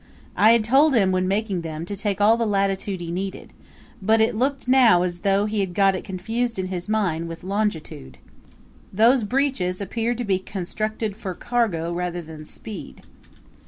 I had told him, when making them, to take all the latitude he needed; but it looked now as though he had got it confused in his mind with longitude. Those breeches appeared to be constructed for cargo rather than speed.